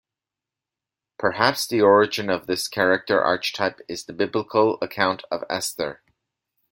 Perhaps the origin of this character archetype is the biblical account of Esther.